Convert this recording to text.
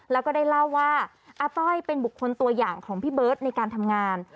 แล้วก็ได้เล่าว่าอาต้อยเป็นบุคคลตัวอย่างของพี่เบิร์ตในการทำงาน